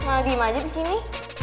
malah diima aja di sini